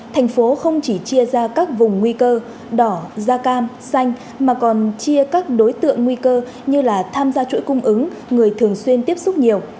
thành phố không chỉ chia ra các vùng nguy cơ đỏ da cam xanh mà còn chia các đối tượng nguy cơ như là tham gia chuỗi cung ứng người thường xuyên tiếp xúc nhiều